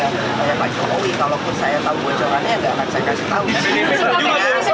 pertanyaan pak jokowi kalau saya tahu bocorannya saya kasih tahu